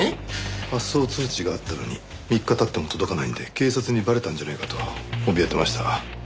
発送通知があったのに３日経っても届かないんで警察にバレたんじゃないかとおびえてました。